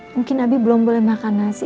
mungkin nabi belum boleh makan nasi